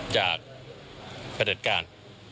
จากประเด็นการ